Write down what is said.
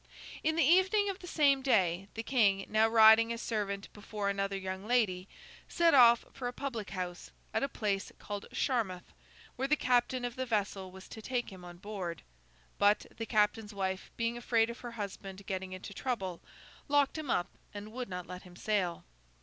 In the evening of the same day, the King—now riding as servant before another young lady—set off for a public house at a place called Charmouth, where the captain of the vessel was to take him on board. But, the captain's wife, being afraid of her husband getting into trouble, locked him up and would not let him sail.